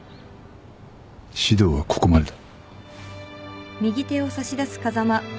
指導はここまでだ。